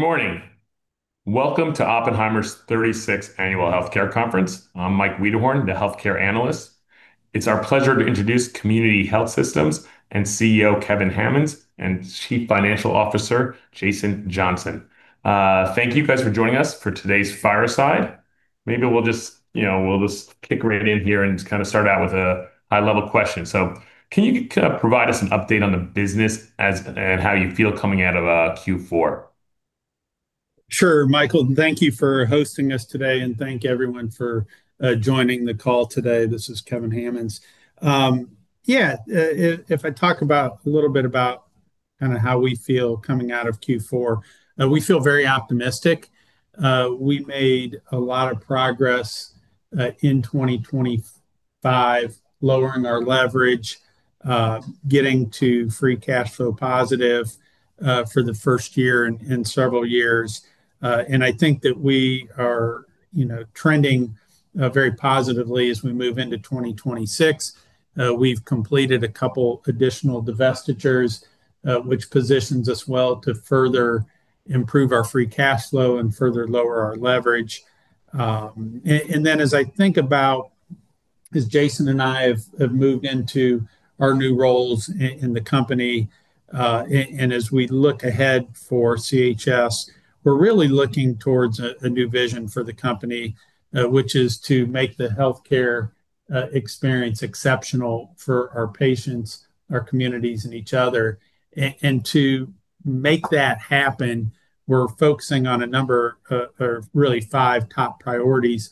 Good morning. Welcome to Oppenheimer's 36th Annual Healthcare Conference. I'm Michael Wiederhorn, the healthcare analyst. It's our pleasure to introduce Community Health Systems and CEO Kevin Hammons and Chief Financial Officer Jason Johnson. Thank you guys for joining us for today's fireside. Maybe we'll just, you know, we'll just kick right in here and just kinda start out with a high-level question. Can you provide us an update on the business as, and how you feel coming out of Q4? Sure, Michael, thank you for hosting us today, and thank everyone for joining the call today. This is Kevin Hammons. If I talk about a little bit about kind of how we feel coming out of Q4, we feel very optimistic. We made a lot of progress in 2025, lowering our leverage, getting to free cash flow positive for the first year in several years. I think that we are, you know, trending very positively as we move into 2026. We've completed a couple additional divestitures, which positions us well to further improve our free cash flow and further lower our leverage. As I think about as Jason and I have moved into our new roles in the company, and as we look ahead for CHS, we're really looking towards a new vision for the company, which is to make the healthcare experience exceptional for our patients, our communities, and each other. To make that happen, we're focusing on a number, or really five top priorities.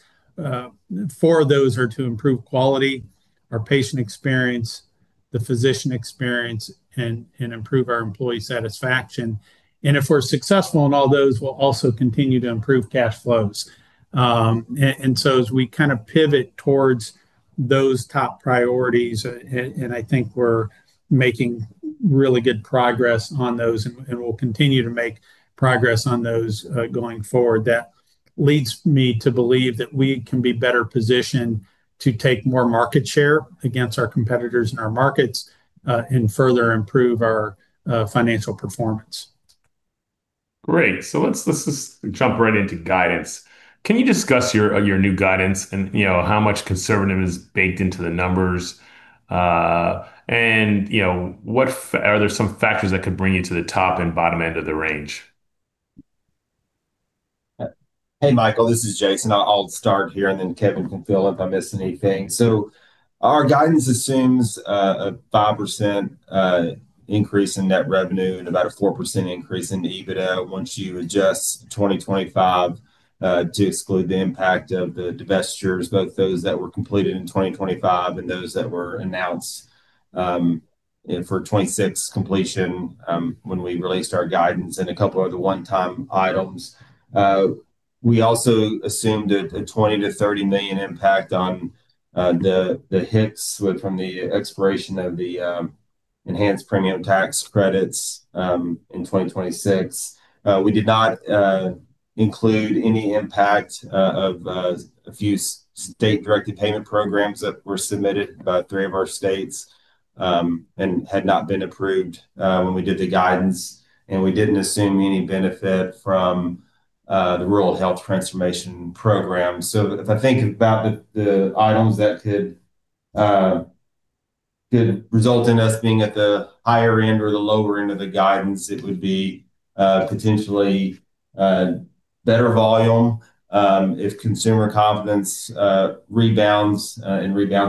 Four of those are to improve quality, our patient experience, the physician experience, and improve our employee satisfaction. If we're successful in all those, we'll also continue to improve cash flows. As we kind of pivot towards those top priorities, I think we're making really good progress on those and we'll continue to make progress on those going forward, that leads me to believe that we can be better positioned to take more market share against our competitors in our markets and further improve our financial performance. Great. Let's just jump right into guidance. Can you discuss your new guidance and, you know, how much conservative is baked into the numbers? You know, what factors are there that could bring you to the top and bottom end of the range? Hey, Michael, this is Jason. I'll start here, and then Kevin can fill if I miss anything. Our guidance assumes a 5% increase in net revenue and about a 4% increase in EBITDA once you adjust 2025 to exclude the impact of the divestitures, both those that were completed in 2025 and those that were announced, and for 2026 completion, when we released our guidance and a couple of the one-time items. We also assumed a $20 million-$30 million impact on the HIX from the expiration of the enhanced premium tax credits in 2026. We did not include any impact of a few State Directed Payment programs that were submitted by three of our states, and had not been approved when we did the guidance, and we didn't assume any benefit from the Rural Health Transformation Program. If I think about the items that could result in us being at the higher end or the lower end of the guidance, it would be potentially better volume if consumer confidence rebounds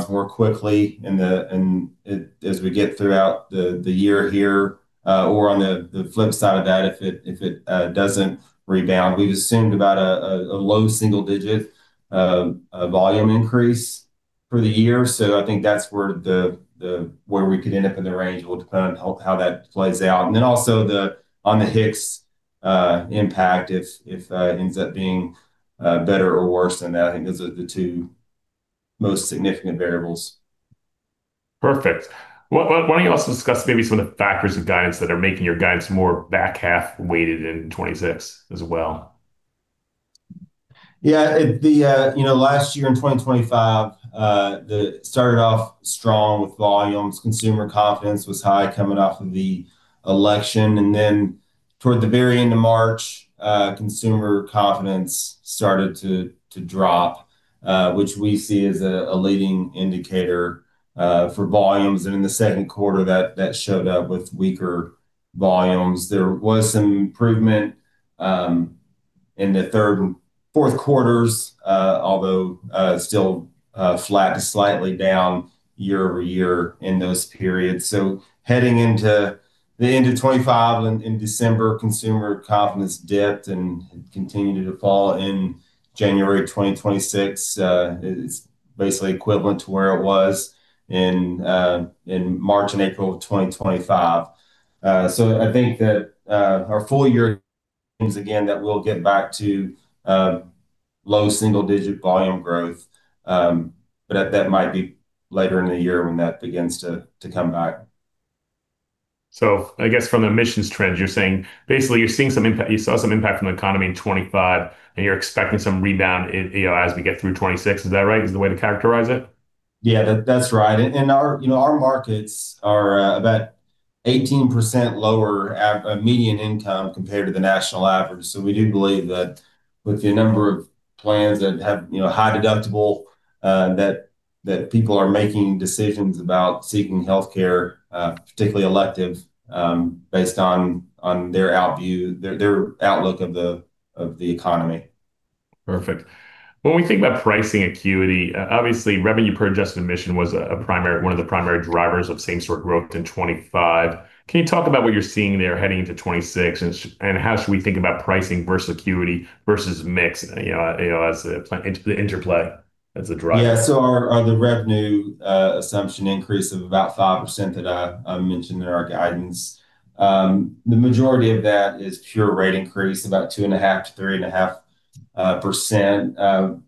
more quickly in it as we get throughout the year here, or on the flip side of that, if it doesn't rebound. We've assumed about a low single digit volume increase for the year. I think that's where we could end up in the range. It will depend on how that plays out. Then also on the HIX impact if it ends up being better or worse than that, I think those are the two most significant variables. Perfect. What, why don't you also discuss maybe some of the factors of guidance that are making your guidance more back half weighted in 2026 as well? Yeah. You know, last year in 2025 started off strong with volumes. Consumer confidence was high coming off of the election, and then toward the very end of March, consumer confidence started to drop, which we see as a leading indicator for volumes. In the Q2 that showed up with weaker volumes. There was some improvement in the third and Q4, although still flat to slightly down year-over-year in those periods. Heading into the end of 2025 and in December, consumer confidence dipped and continued to fall in January of 2026. It is basically equivalent to where it was in March and April of 2025. I think that our full year, once again, that we'll get back to low single-digit volume growth, but that might be later in the year when that begins to come back. I guess from admissions trends, you're saying basically you're seeing some impact, you saw some impact from the economy in 2025, and you're expecting some rebound in, you know, as we get through 2026. Is that right? Is that the way to characterize it? Yeah, that's right. Our markets, you know, are about 18% lower at median income compared to the national average. We do believe that with the number of plans that have, you know, high deductible that people are making decisions about seeking healthcare, particularly elective, based on their outlook of the economy. Perfect. When we think about pricing acuity, obviously revenue per adjusted admission was a primary, one of the primary drivers of same-store growth in 2025. Can you talk about what you're seeing there heading into 2026 and how should we think about pricing versus acuity versus mix, you know, as planned interplay as a driver? Our revenue assumption increase of about 5% that I mentioned in our guidance, the majority of that is pure rate increase, about 2.5%-3.5%.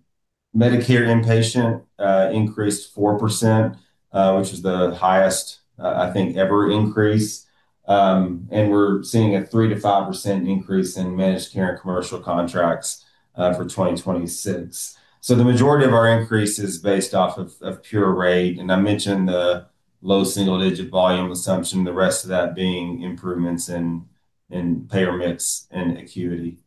Medicare inpatient increased 4%, which is the highest I think ever increase. We're seeing a 3%-5% increase in managed care and commercial contracts for 2026. The majority of our increase is based off of pure rate. I mentioned the low single-digit volume assumption, the rest of that being improvements in payer mix and acuity.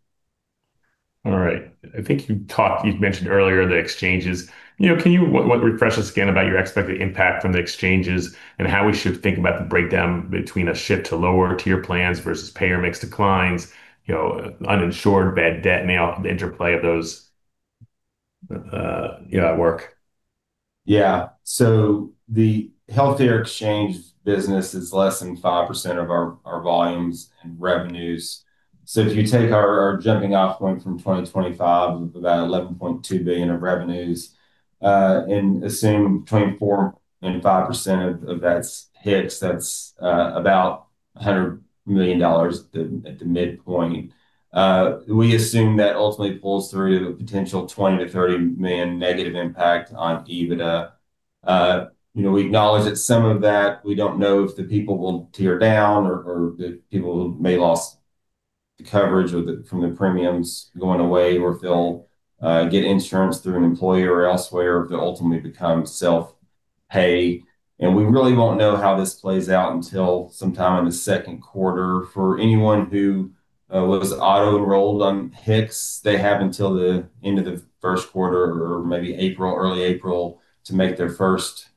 All right. I think you talked, you mentioned earlier the exchanges. You know, can you refresh us again about your expected impact from the exchanges and how we should think about the breakdown between a shift to lower tier plans versus payer mix declines, you know, uninsured bad debt and the interplay of those, you know, at work? Yeah. The health care exchange business is less than 5% of our volumes and revenues. If you take our jumping off point from 2025 of about $11.2 billion of revenues, and assume 24.5% of that's HIX, that's about $100 million at the midpoint. We assume that ultimately pulls through to a potential $20 million-$30 million negative impact on EBITDA. You know, we acknowledge that some of that we don't know if the people will tier down or the people may lose the coverage or from the premiums going away, or if they'll get insurance through an employer or elsewhere if they ultimately become self-pay. We really won't know how this plays out until sometime in the Q2. For anyone who was auto-enrolled on HIX, they have until the end of the Q1 or maybe April, early April, to make their first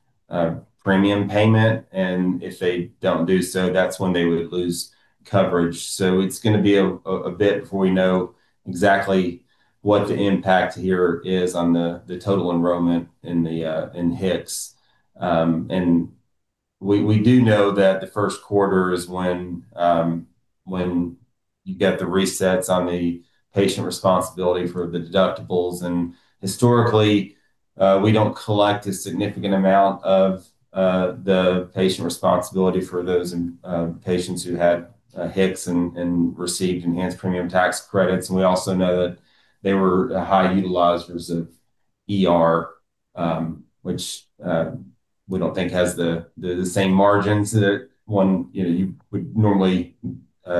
premium payment, and if they don't do so, that's when they would lose coverage. It's gonna be a bit before we know exactly what the impact here is on the total enrollment in HIX. We do know that the Q1 is when you get the resets on the patient responsibility for the deductibles. Historically, we don't collect a significant amount of the patient responsibility for those patients who had HIX and received enhanced premium tax credits. We also know that they were high utilizers of ER, which we don't think has the same margins that one you know you would normally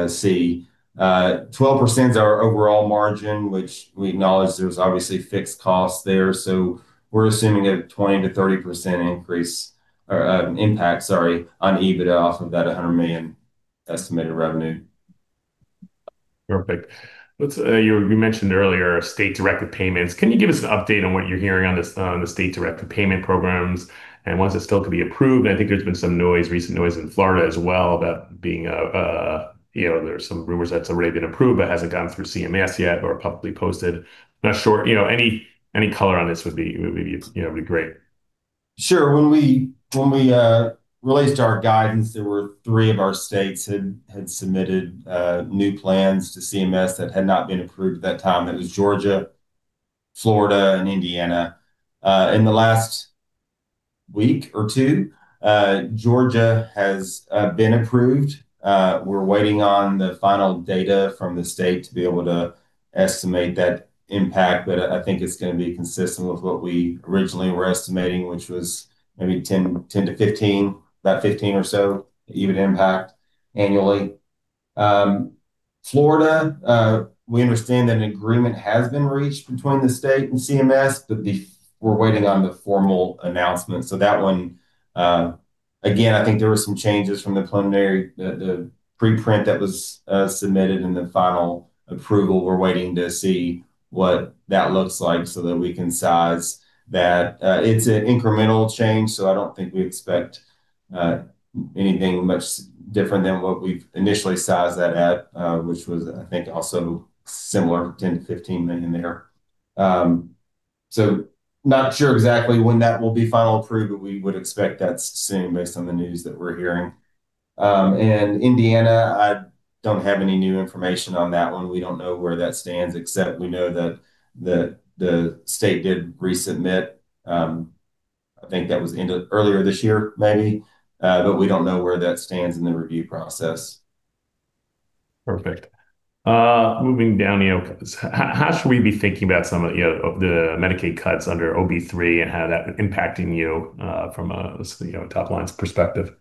see. Twelve percent is our overall margin, which we acknowledge there's obviously fixed costs there. We're assuming a 20%-30% increase or impact, sorry, on EBITDA off of that $100 million estimated revenue. You mentioned earlier State Directed Payments. Can you give us an update on what you're hearing on this, on the State Directed Payments programs, and ones that still could be approved? I think there's been some recent noise in Florida as well about, you know, there's some rumors that's already been approved, but hasn't gone through CMS yet or publicly posted. Not sure, you know, any color on this would be great. Sure. When we released our guidance, there were three of our states had submitted new plans to CMS that had not been approved at that time. It was Georgia, Florida, and Indiana. In the last week or two, Georgia has been approved. We're waiting on the final data from the state to be able to estimate that impact, but I think it's gonna be consistent with what we originally were estimating, which was maybe 10-15, about 15 or so EBITDA impact annually. Florida, we understand that an agreement has been reached between the state and CMS, but we're waiting on the formal announcement. That one, again, I think there were some changes from the preliminary, the preprint that was submitted in the final approval. We're waiting to see what that looks like so that we can size that. It's an incremental change, so I don't think we expect anything much different than what we've initially sized that at, which was, I think, also similar, $10 million-$15 million there. So not sure exactly when that will be finally approved, but we would expect that soon based on the news that we're hearing. Indiana, I don't have any new information on that one. We don't know where that stands, except we know that the state did resubmit. I think that was end of early this year, maybe, but we don't know where that stands in the review process. Perfect. Moving down, you know, how should we be thinking about some of the, you know, of the Medicaid cuts under OB3 and how that impacting you, from a, you know, top-lines perspective?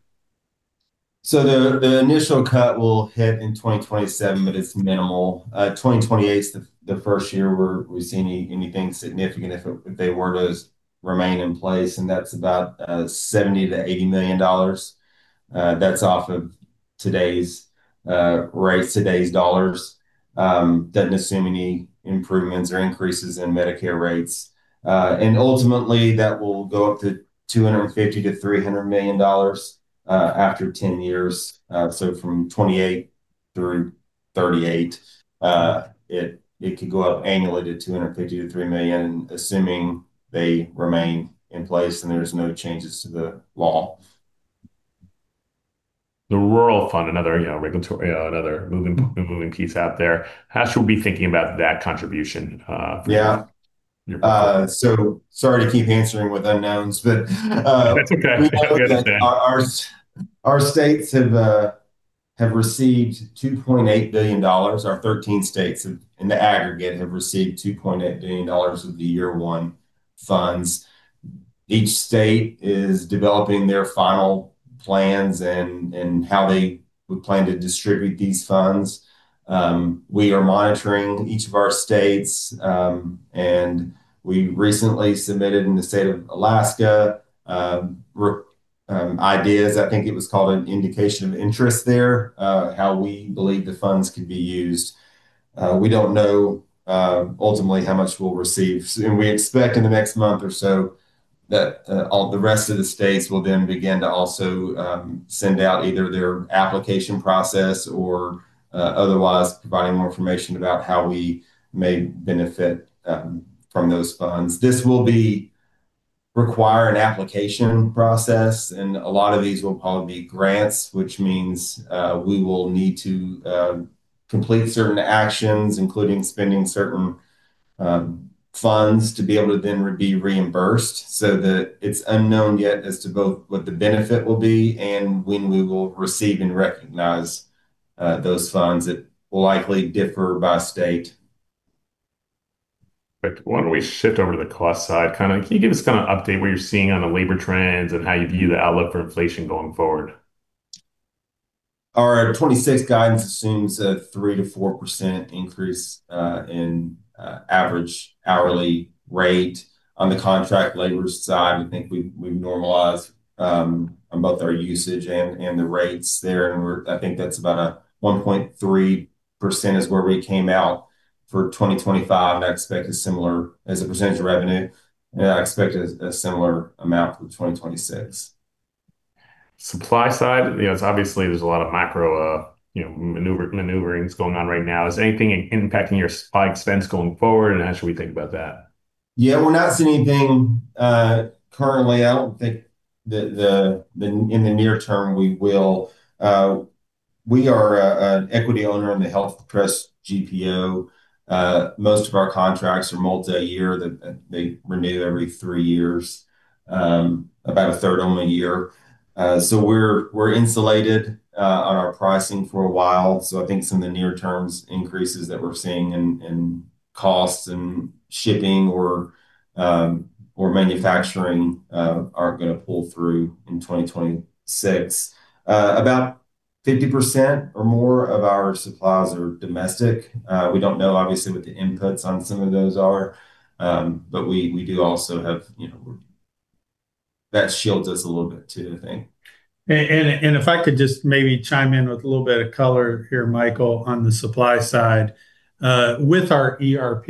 The initial cut will hit in 2027, but it's minimal. 2028's the first year we see anything significant if they were to remain in place, and that's about $70-$80 million. That's off of today's rates, today's dollars, doesn't assume any improvements or increases in Medicare rates. And ultimately, that will go up to $250-$300 million after 10 years. From 2028 through 2038, it could go up annually to $250-$300 million, assuming they remain in place and there's no changes to the law. The Rural Fund, another moving piece out there. How should we be thinking about that contribution for you? Yeah. Sorry to keep answering with unknowns, but That's okay. We know that our states have received $2.8 billion. Our 13 states in the aggregate have received $2.8 billion of the year one funds. Each state is developing their final plans and how they would plan to distribute these funds. We are monitoring each of our states and we recently submitted in the state of Alaska ideas. I think it was called an indication of interest there, how we believe the funds could be used. We don't know ultimately how much we'll receive. We expect in the next month or so that all the rest of the states will then begin to also send out either their application process or otherwise providing more information about how we may benefit from those funds. This will require an application process, and a lot of these will probably be grants, which means, we will need to complete certain actions, including spending certain funds to be able to then be reimbursed, so that it's unknown yet as to both what the benefit will be and when we will receive and recognize those funds. It will likely differ by state. Why don't we shift over to the cost side kinda. Can you give us kinda an update what you're seeing on the labor trends and how you view the outlook for inflation going forward? Our 2026 guidance assumes a 3%-4% increase in average hourly rate. On the contract labor side, I think we normalize on both our usage and the rates there, and I think that's about a 1.3% is where we came out for 2025, and I expect a similar as a percentage of revenue, and I expect a similar amount for 2026. Supply side, you know, it's obviously there's a lot of macro, you know, maneuvering that's going on right now. Is anything impacting your supply expense going forward, and how should we think about that? Yeah. We're not seeing anything currently. I don't think in the near term, we will. We are an equity owner in the HealthTrust GPO. Most of our contracts are multiyear. They renew every three years, about a third of them a year. We're insulated on our pricing for a while. I think some of the near-term increases that we're seeing in costs and shipping or manufacturing are gonna pull through in 2026. About 50% or more of our supplies are domestic. We don't know obviously what the inputs on some of those are, but we do also have, you know, that shields us a little bit too, I think. If I could just maybe chime in with a little bit of color here, Michael, on the supply side. With our ERP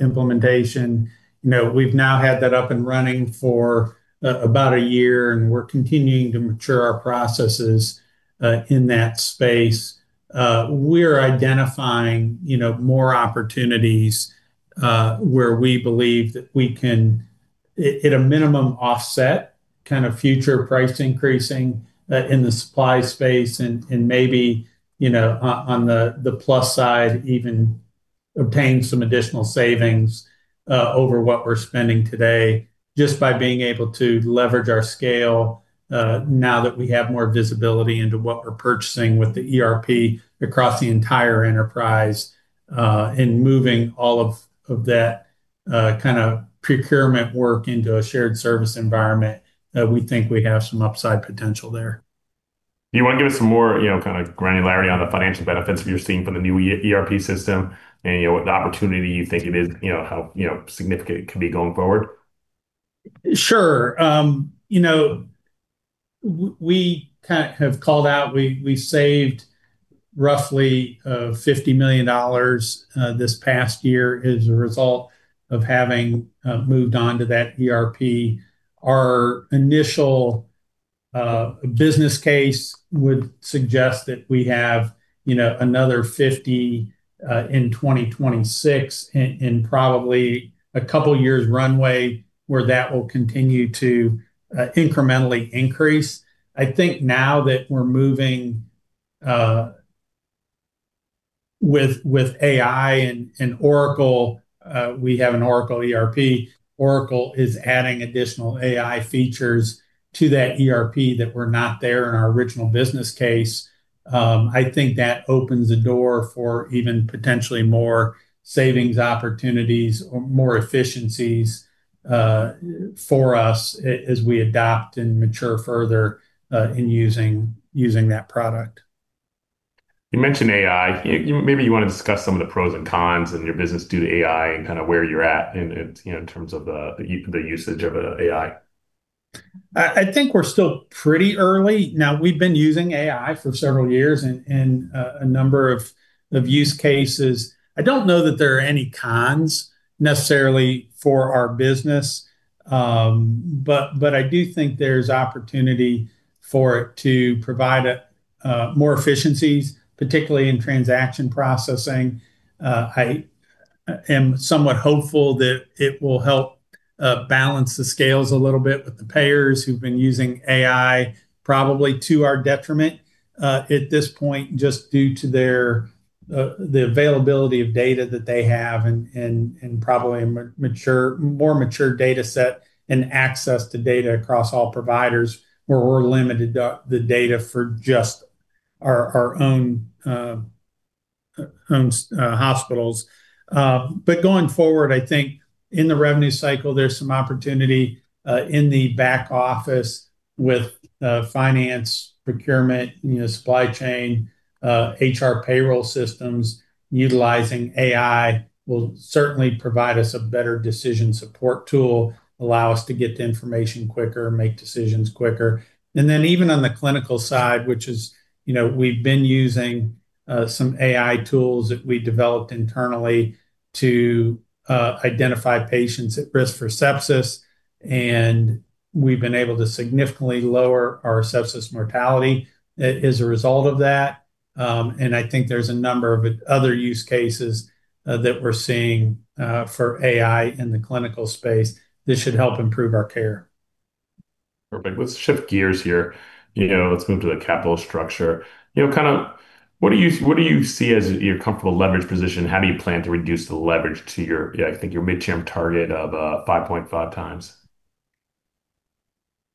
implementation, you know, we've now had that up and running for about a year, and we're continuing to mature our processes in that space. We're identifying, you know, more opportunities where we believe that we can, at a minimum, offset kind of future price increases in the supply space and maybe, you know, on the plus side, even obtain some additional savings over what we're spending today just by being able to leverage our scale now that we have more visibility into what we're purchasing with the ERP across the entire enterprise and moving all of that procurement work into a shared service environment. We think we have some upside potential there. You wanna give us some more, you know, kinda granularity on the financial benefits you're seeing from the new ERP system and, you know, what the opportunity you think it is, you know, how, you know, significant it could be going forward? Sure. You know, we have called out, we saved roughly $50 million this past year as a result of having moved on to that ERP. Our initial business case would suggest that we have, you know, another $50 million in 2026 and probably a couple years runway where that will continue to incrementally increase. I think now that we're moving with AI and Oracle, we have an Oracle ERP. Oracle is adding additional AI features to that ERP that were not there in our original business case. I think that opens the door for even potentially more savings opportunities or more efficiencies for us as we adapt and mature further in using that product. You mentioned AI. You maybe want to discuss some of the pros and cons in your business due to AI and kind of where you're at in you know in terms of the usage of AI. I think we're still pretty early. We've been using AI for several years in a number of use cases. I don't know that there are any cons necessarily for our business. But I do think there's opportunity for it to provide more efficiencies, particularly in transaction processing. I am somewhat hopeful that it will help balance the scales a little bit with the payers who've been using AI probably to our detriment at this point, just due to their, the availability of data that they have and probably a more mature dataset and access to data across all providers, where we're limited, the data for just our own hospitals. Going forward, I think in the revenue cycle, there's some opportunity in the back office with finance, procurement, you know, supply chain, HR payroll systems. Utilizing AI will certainly provide us a better decision support tool, allow us to get the information quicker, make decisions quicker. Even on the clinical side, which is, you know, we've been using some AI tools that we developed internally to identify patients at risk for sepsis, and we've been able to significantly lower our sepsis mortality as a result of that. I think there's a number of other use cases that we're seeing for AI in the clinical space that should help improve our care. Perfect. Let's shift gears here. You know, let's move to the capital structure. You know, kind of what do you see as your comfortable leverage position? How do you plan to reduce the leverage to your, I think, your midterm target of 5.5 times?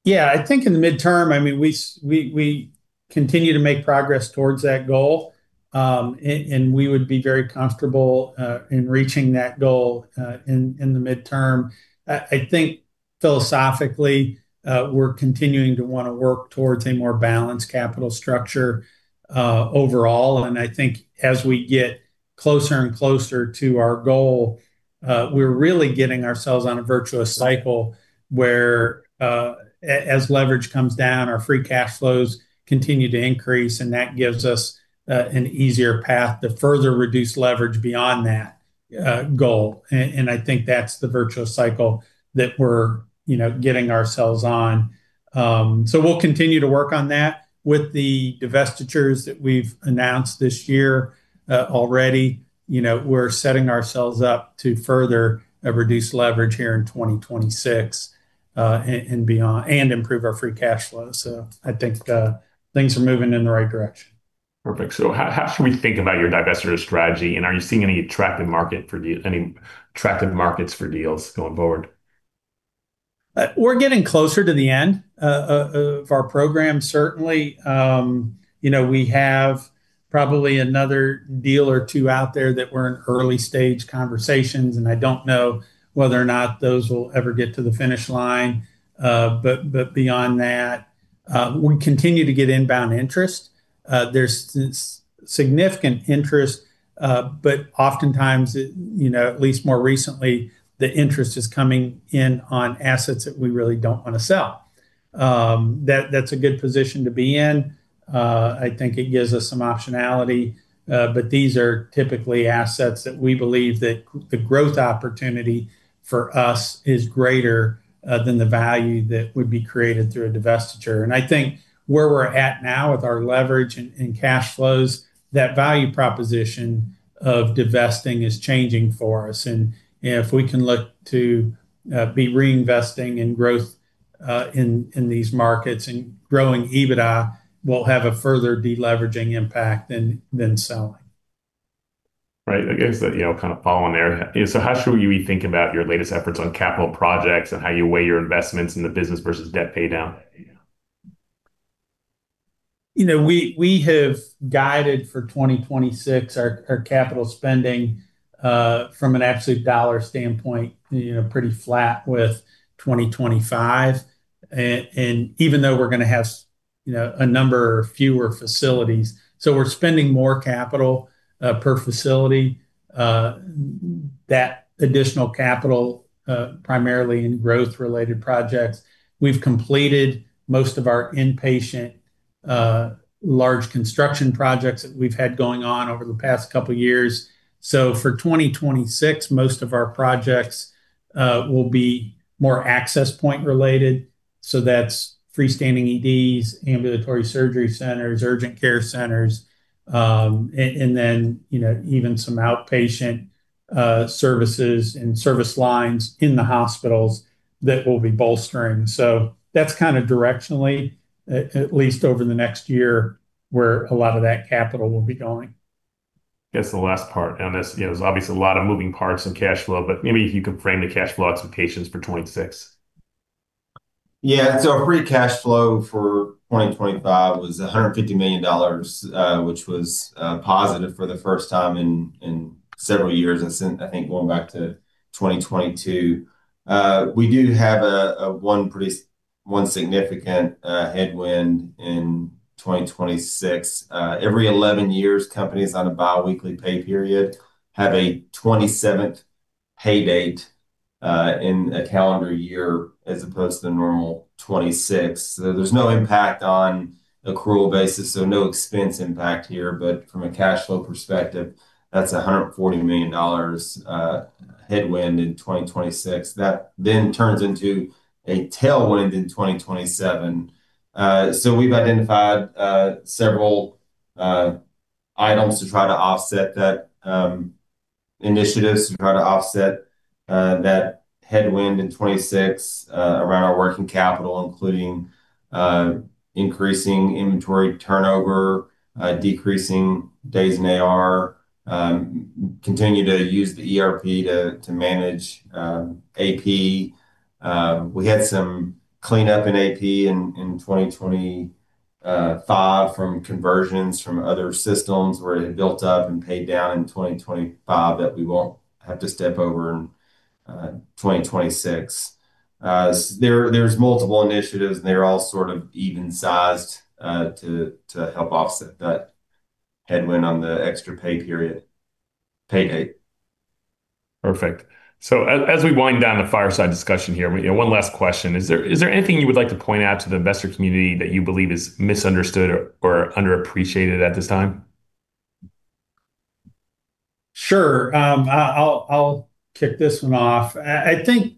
Yeah. I think in the midterm, I mean, we continue to make progress towards that goal. We would be very comfortable in reaching that goal in the midterm. I think philosophically, we're continuing to wanna work towards a more balanced capital structure overall, and I think as we get closer and closer to our goal, we're really getting ourselves on a virtuous cycle where as leverage comes down, our free cash flows continue to increase, and that gives us an easier path to further reduce leverage beyond that goal. I think that's the virtuous cycle that we're, you know, getting ourselves on. We'll continue to work on that. With the divestitures that we've announced this year, already, you know, we're setting ourselves up to further reduce leverage here in 2026 and beyond and improve our free cash flow. I think things are moving in the right direction. Perfect. How should we think about your divestiture strategy, and are you seeing any attractive markets for deals going forward? We're getting closer to the end of our program, certainly. You know, we have probably another deal or two out there that we're in early-stage conversations, and I don't know whether or not those will ever get to the finish line. Beyond that, we continue to get inbound interest. There's significant interest, but oftentimes, it, you know, at least more recently, the interest is coming in on assets that we really don't wanna sell. That's a good position to be in. I think it gives us some optionality, but these are typically assets that we believe that the growth opportunity for us is greater than the value that would be created through a divestiture. I think where we're at now with our leverage and cash flows, that value proposition of divesting is changing for us. If we can look to be reinvesting in growth in these markets and growing EBITDA, we'll have a further deleveraging impact than selling. Right. I guess, you know, kind of following there. How should we think about your latest efforts on capital projects and how you weigh your investments in the business versus debt paydown? You know, we have guided for 2026 our capital spending from an absolute dollar standpoint, you know, pretty flat with 2025. Even though we're gonna have, you know, a number fewer facilities, so we're spending more capital per facility. That additional capital primarily in growth-related projects. We've completed most of our inpatient large construction projects that we've had going on over the past couple years. For 2026, most of our projects will be more access point related, so that's freestanding EDs, ambulatory surgery centers, urgent care centers, and then, you know, even some outpatient services and service lines in the hospitals that we'll be bolstering. That's kinda directionally, at least over the next year, where a lot of that capital will be going. I guess the last part on this, you know, there's obviously a lot of moving parts in cash flow, but maybe if you could frame the cash flow expectations for 2026. Yeah. Free cash flow for 2025 was $150 million, which was positive for the first time in several years and since, I think, going back to 2022. We do have a one significant headwind in 2026. Every 11 years, companies on a biweekly pay period have a 27th pay date in a calendar year as opposed to normal 26. There's no impact on accrual basis, so no expense impact here. But from a cash flow perspective, that's $140 million headwind in 2026. That then turns into a tailwind in 2027. We've identified several initiatives to try to offset that headwind in 2026 around our working capital, including increasing inventory turnover, decreasing days in AR, continue to use the ERP to manage AP. We had some cleanup in AP in 2025 from conversions from other systems where it had built up and paid down in 2025 that we won't have to step over in 2026. There are multiple initiatives, and they're all sort of even sized to help offset that headwind on the extra pay period, pay date. Perfect. As we wind down the fireside discussion here, you know, one last question. Is there anything you would like to point out to the investor community that you believe is misunderstood or underappreciated at this time? Sure. I'll kick this one off. I think,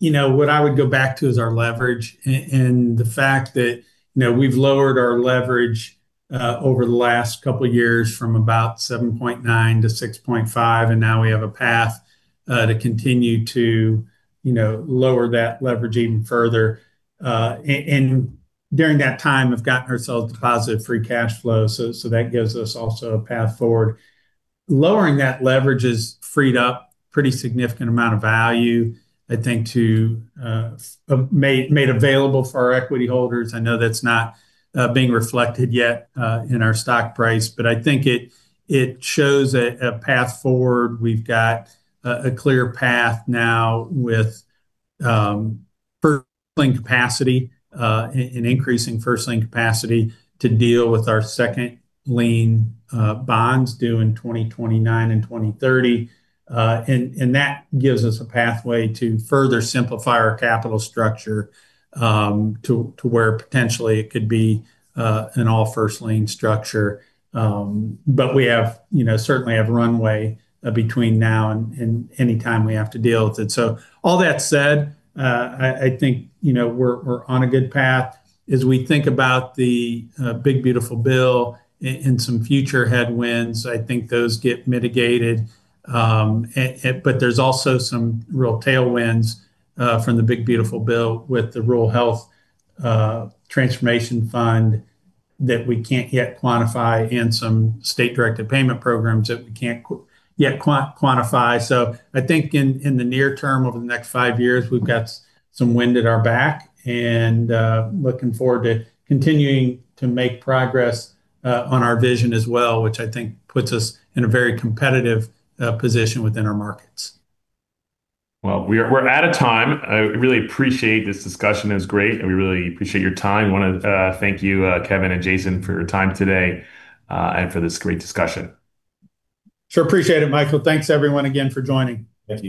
you know, what I would go back to is our leverage and the fact that, you know, we've lowered our leverage over the last couple years from about 7.9-6.5, and now we have a path to continue to, you know, lower that leverage even further. During that time, we've gotten ourselves positive free cash flow, so that gives us also a path forward. Lowering that leverage has freed up pretty significant amount of value, I think, to made available for our equity holders. I know that's not being reflected yet in our stock price. I think it shows a path forward. We've got a clear path now with first lien capacity in increasing first lien capacity to deal with our second lien bonds due in 2029 and 2030. That gives us a pathway to further simplify our capital structure to where potentially it could be an all first lien structure. We certainly have runway, you know, between now and any time we have to deal with it. All that said, I think, you know, we're on a good path as we think about the Big Beautiful Bill and some future headwinds. I think those get mitigated. There's also some real tailwinds from the Big Beautiful Bill with the Rural Health Transformation Fund that we can't yet quantify and some state-directed payment programs that we can't yet quantify. I think in the near term, over the next five years, we've got some wind at our back and looking forward to continuing to make progress on our vision as well, which I think puts us in a very competitive position within our markets. Well, we're out of time. I really appreciate this discussion. It was great, and we really appreciate your time. Wanna thank you, Kevin and Jason, for your time today, and for this great discussion. Sure. Appreciate it, Michael. Thanks everyone again for joining. Thank you.